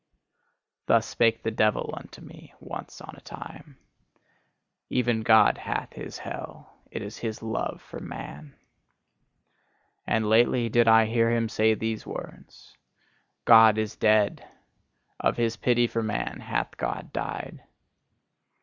Thus spake the devil unto me, once on a time: "Even God hath his hell: it is his love for man." And lately, did I hear him say these words: "God is dead: of his pity for man hath God died."